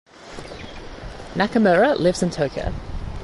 Nakamura lives in Tokyo.